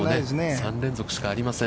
３連続しかありません。